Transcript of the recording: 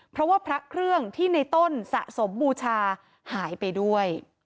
เพราะว่าพระเครื่องที่ในต้นสะสมบูชาหายไปด้วย